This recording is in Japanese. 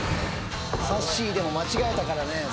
さっしーでも間違えたからね